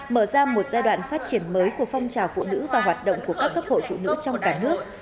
mở ra một giai đoạn phát triển mới của phong trào phụ nữ và hoạt động của các cấp hội phụ nữ trong cả nước